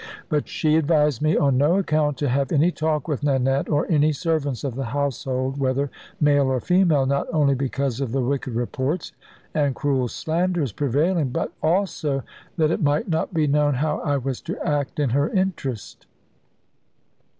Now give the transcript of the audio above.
But she advised me on no account to have any talk with Nanette, or any servants of the household, whether male or female, not only because of the wicked reports and cruel slanders prevailing, but also that it might not be known how I was to act in her interest.